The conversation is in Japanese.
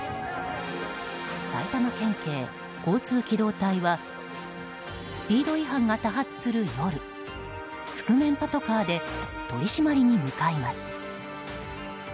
埼玉県警交通機動隊はスピード違反が多発する夜覆面パトカーで取り締まりに向かいます。